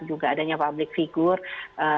juga adanya public figure